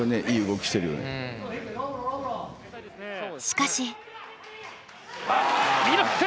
しかし。